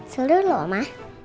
seru loh oma